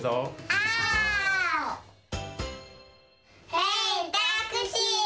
オ！ヘイタクシー！